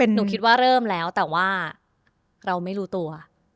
หนูคิดว่าเริ่มแล้วแต่ว่าเราไม่รู้ตัว